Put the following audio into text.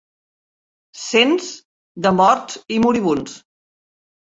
Cents de morts i moribunds.